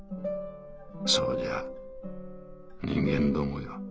そうじゃ人間どもよ